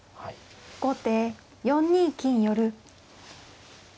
後手４二金寄。